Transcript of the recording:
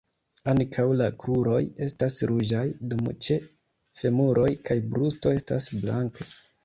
Ankaŭ la kruroj estas ruĝaj, dum ĉe femuroj kaj brusto estas blanko.